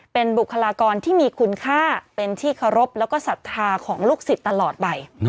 เป็นบุคลากรที่มีคุณค่าเป็นที่เคารพแล้วก็ศรัทธาของลูกศิษย์ตลอดไป